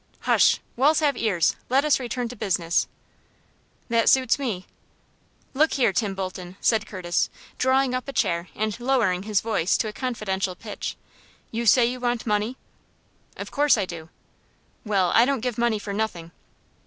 "Hush! Walls have ears. Let us return to business." "That suits me." "Look here, Tim Bolton," said Curtis, drawing up a chair, and lowering his voice to a confidential pitch, "you say you want money?" "Of course I do." "Well, I don't give money for nothing."